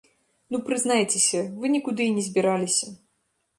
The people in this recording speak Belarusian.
Ну прызнайцеся, вы нікуды і не збіраліся.